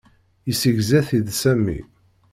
Yessegza-t-id Sami.